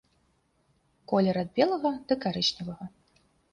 Колер ад белага да карычневага.